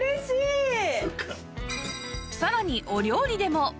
さらにお料理でも